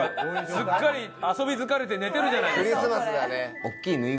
すっかり遊び疲れて寝てるじゃないですか。